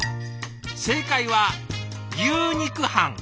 正解は「牛肉飯」。